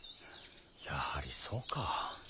やはりそうか。